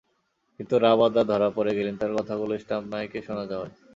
কিন্তু রাবাদা ধরা পড়ে গেলেন তাঁর কথাগুলো স্টাম্প মাইকে শোনা যাওয়ায়।